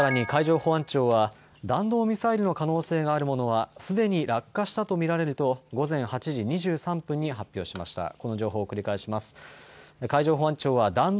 海上保安庁は弾道ミサイルの可能性があるものはすでに落下したと見られると午前８時２３分に発表しました。